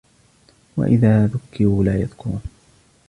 وَإِذَا ذُكِّرُوا لَا يَذْكُرُونَ